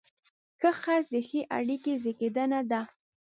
ښه خرڅ د ښې اړیکې زیږنده ده.